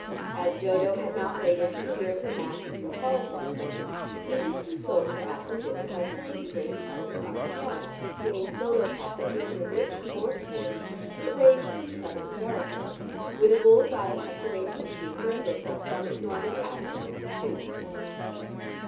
As Dodo had not waited to hear her Mass at St. Paul's that morning, Edith consoled her after dinner by playing the greater part of it on the piano, singing solo passages in a rich hoarse voice that ranged from treble to baritone, with a bull's eye tucked away in her cheek where it looked like some enormous abscess on a tooth.